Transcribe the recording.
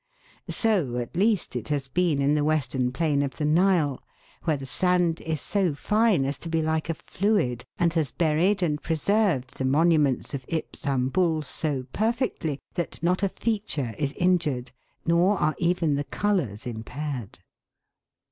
So, at least, it has been in the western plain of the Nile, where the sand is so fine as to be like a fluid, and has buried and pre served the monuments of Ipsambul so perfectly that not a feature is injured, nor are even the colours impaired.